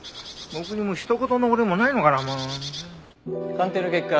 鑑定の結果